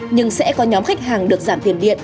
nhưng sẽ có nhóm khách hàng được giảm tiền điện